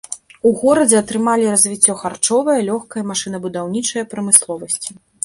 У горадзе атрымалі развіццё харчовая, лёгкая, машынабудаўнічая прамысловасці.